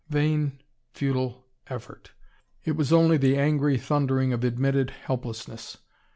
Vain, futile effort! It was only the angry thundering of admitted helplessness.